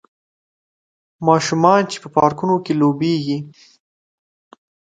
ماشومان چې په پارکونو کې لوبیږي